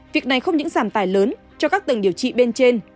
việc này không những giảm tài lớn cho các tầng điều trị bên trên